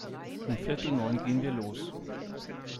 Um viertel neun gehen wir los.